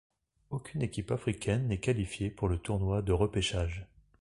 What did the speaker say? Aucune équipe africaine n'est qualifiée pour le tournoi de repêchage.